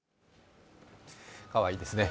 かわいいですね。